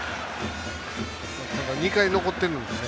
ただ２回残っているのでね。